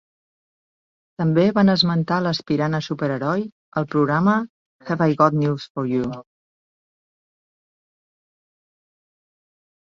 També van esmentar l'aspirant a superheroi al programa "Have I Got News For You".